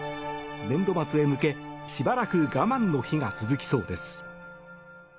年度末へ向け、しばらく我慢の日が続きそうです。